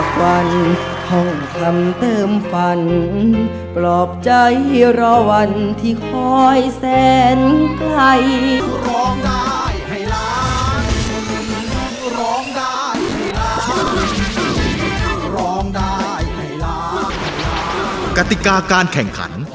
กติกาการให้ร้าน